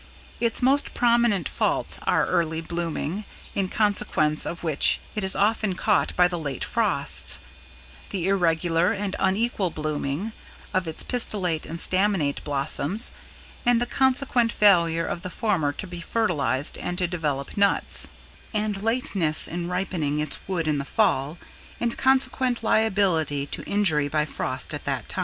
Its most prominent faults are early blooming, in consequence of which it is often caught by the late frosts; the irregular and unequal blooming of its pistillate and staminate blossoms, and the consequent failure of the former to be fertilized and to develop nuts; and lateness in ripening its wood in the Fall and consequent liability to injury by frost at that time.